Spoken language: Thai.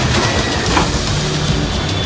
ต้องกลับมาด้วย